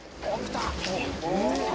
おっ！